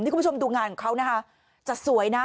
คุณผู้ชมดูงานของเขานะคะจะสวยนะ